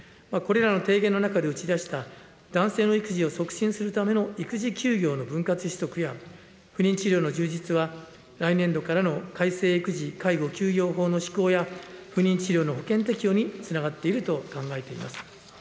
これらの提言の中で打ち出した男性の育児を促進するための育児休業の分割取得や、不妊治療の充実は、来年度からの改正育児・介護休業法の施行や、不妊治療の保険適用につながっていると考えています。